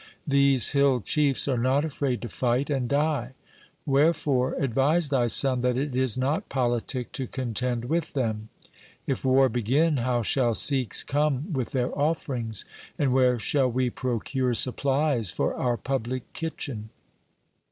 These hill chiefs are not afraid to fight and die. Wherefore, advise thy son that it is not politic to contend with them. If war begin, how shall Sikhs come with their offerings ? And where shall we procure supplies for our public kitchen